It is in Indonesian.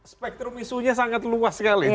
spektrum isunya sangat luas sekali